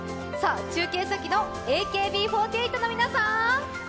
中継先のＡＫＢ４８の皆さん！